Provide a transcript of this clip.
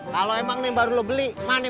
kalo emang nih baru lu beli